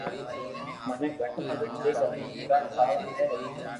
مني گھٽ ۾ گھت ايڪ ھزار جملا ٺاوا ھي